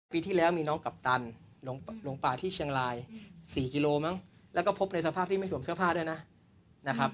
ปีที่แล้วมีน้องกัปตันหลงป่าที่เชียงราย๔กิโลมั้งแล้วก็พบในสภาพที่ไม่สวมเสื้อผ้าด้วยนะครับ